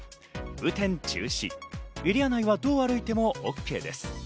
雨天中止、エリア内はどう歩いてもＯＫです。